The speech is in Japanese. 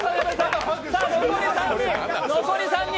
残り３人。